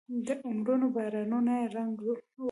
د عمرونو بارانونو یې رنګ وړی